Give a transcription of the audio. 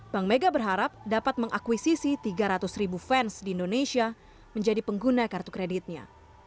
bank mega berharap dapat mengakuisisi tiga ratus ribu fans di indonesia menjadi pengguna kartu kreditnya